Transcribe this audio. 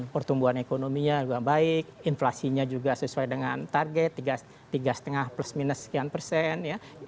pertumbuhan ekonominya juga baik inflasinya juga sesuai dengan target tiga lima plus minus sekian persen